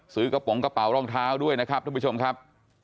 กระโปรงกระเป๋ารองเท้าด้วยนะครับทุกผู้ชมครับ